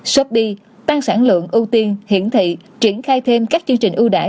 shopee tăng sản lượng ưu tiên hiển thị triển khai thêm các chương trình ưu đải